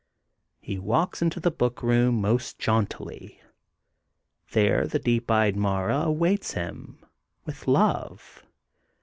He walks into the book room most jauntily. There the deep eyed Mara awaits him with love.